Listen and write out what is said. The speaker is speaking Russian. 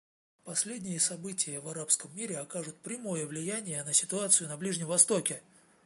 Последние события в арабском мире окажут прямое влияния на ситуацию на Ближнем Востоке.